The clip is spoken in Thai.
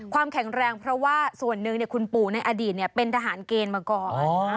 แข็งแรงเพราะว่าส่วนหนึ่งคุณปู่ในอดีตเป็นทหารเกณฑ์มาก่อน